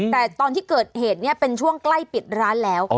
แต่ตอนที่เกิดเหตุเนี่ยเป็นช่วงใกล้ปิดร้านแล้ว